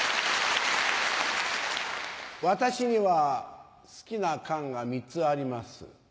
私には好きな「かん」が３つあります。